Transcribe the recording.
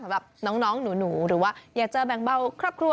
สำหรับแบบน้องน้องหนูหนูหรือว่าอยากเจอแบ่งเบ้าครับครัว